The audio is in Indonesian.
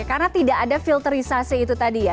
karena tidak ada filterisasi itu tadi ya